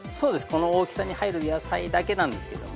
この大きさに入る野菜だけなんですけど。